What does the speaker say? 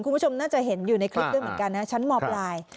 คุณผู้ชมน่าจะเห็นอยู่ในคลิปด้วยเหมือนกันนะชั้นมปลาย